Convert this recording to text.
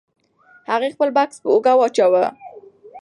هغې خپل بکس په اوږه واچاوه.